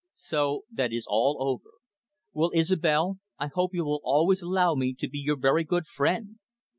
"So that is all over. Well, Isobel, I hope you will always allow me to be your very good friend."